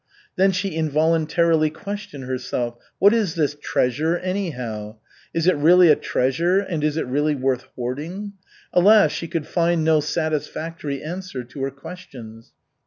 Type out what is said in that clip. Then she involuntarily questioned herself, What is this "treasure," anyhow? Is it really a treasure and is it really worth hoarding? Alas, she could find no satisfactory answer to her questions.